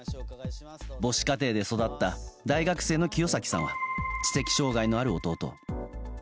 母子家庭で育った大学生の清崎さんは知的障害のある弟を。